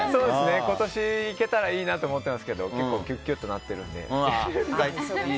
今年、行けたらいいなと思ってるんですけど結構キュキュッとなってるので。